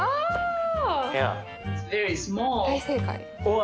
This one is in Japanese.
大正解。